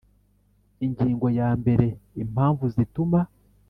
Ingingo ya mbere Impamvu zituma